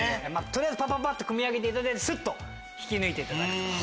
取りあえずパパパっと組み上げてスッと引き抜いていただく。